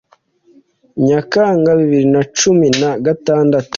Nyakanga bibiri na ucmi na gatandatu